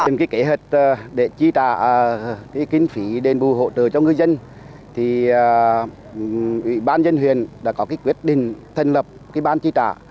trong cái kế hoạch để trí trả cái kinh phí đền bù hộ trợ cho người dân thì ủy ban dân huyện đã có cái quyết định thân lập cái ban trí trả